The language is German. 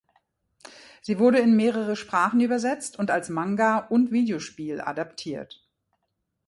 Sie wurde in mehrere Sprachen übersetzt und als Manga und Videospiel adaptiert.